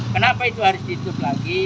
kenapa itu harus ditutup lagi